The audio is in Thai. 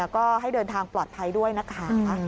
ก็ให้เดินทางปลอดภัยด้วยนะคะ